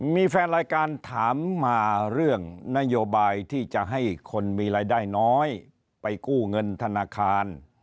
มีแฟนรายการถามมาเรื่องนโยบายที่จะให้คนมีรายได้น้อยไปกู้เงินธนาคาร